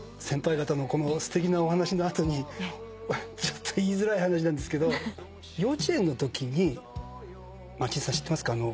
先輩方のこのすてきなお話の後にちょっと言いづらい話なんですけど幼稚園のときにマーチンさん知ってますか？